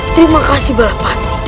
terima kasih banyak hati